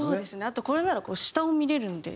あとこれならこう下を見れるんで。